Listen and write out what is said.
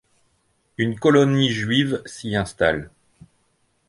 Une colonie juive s’y installe.